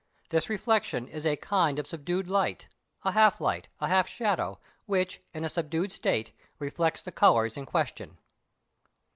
This reflection is a kind of subdued light, a half light, a half shadow, which, in a subdued state, reflects the colours in question.